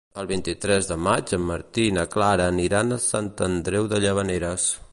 El vint-i-tres de maig en Martí i na Clara aniran a Sant Andreu de Llavaneres.